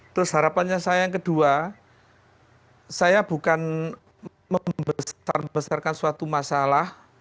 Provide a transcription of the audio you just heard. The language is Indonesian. terus harapannya saya yang kedua saya bukan membesar besarkan suatu masalah